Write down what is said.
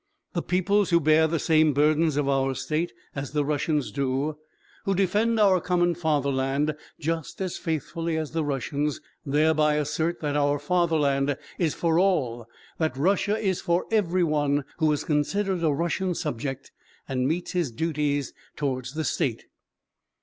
The peoples who bear the same burdens of our state as the Russians do, who defend our common fatherland just as faithfully as the Russians, thereby assert that our fatherland is for all, that Russia is for every one who is considered a Russian subject and meets his duties toward the state.